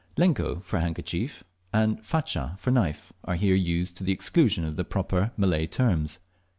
"Lenco" for handkerchief, and "faca" for knife, are here used to the exclusion of the proper Malay terms.